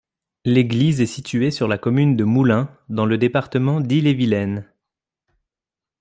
L'église est située sur la commune de Moulins, dans le département d'Ille-et-Vilaine.